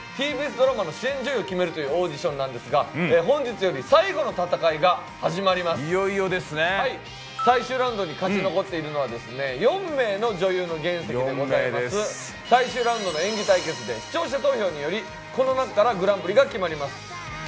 ＴＢＳドラマの主演女優を決めるというオーディションなんですがいよいよですねはい最終ラウンドに勝ち残っているのは４名の女優の原石でございます最終ラウンドの演技対決で視聴者投票によりこのなかからグランプリが決まります